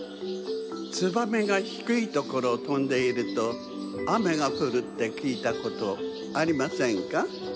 ツバメがひくいところをとんでいるとあめがふるってきいたことありませんか？